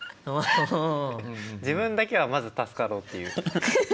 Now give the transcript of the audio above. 自分だけはまず助かろうっていう。